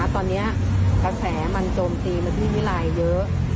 ตอนนี้กระแสมันโจมตีมาที่วิลัยเยอะ